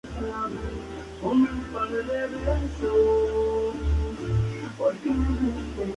hubieses partido